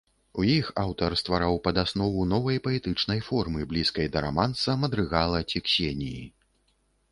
У іх аўтар ствараў падаснову новай паэтычнай формы, блізкай да раманса, мадрыгала ці ксеніі.